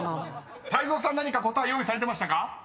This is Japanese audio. ［泰造さん何か答え用意されてましたか？］